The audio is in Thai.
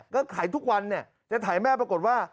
ก็ถ่ายทุกวันจะถ่ายแม่ปรากฏว่า